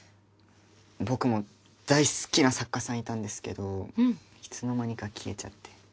僕も大好きな作家さんいたんですけどいつの間にか消えちゃって。